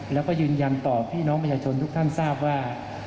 แล้วก็ยืนยันต่อพี่น้องประชาชนทุกท่านทราบว่า